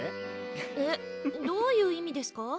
えどういう意味ですか？